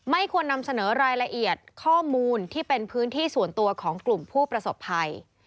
ควรนำเสนอรายละเอียดข้อมูลที่เป็นพื้นที่ส่วนตัวของกลุ่มผู้ประสบภัย